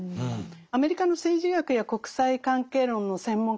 アメリカの政治学や国際関係論の専門家たちはですね